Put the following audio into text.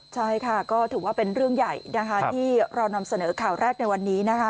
ใช่ค่ะก็ถือว่าเป็นเรื่องใหญ่นะคะที่เรานำเสนอข่าวแรกในวันนี้นะคะ